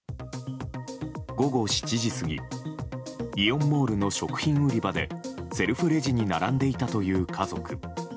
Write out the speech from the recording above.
午後７時過ぎイオンモールの食品売り場でセルフレジに並んでいたという家族。